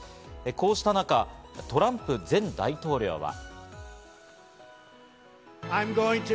こうした中、トランプ前大統領は。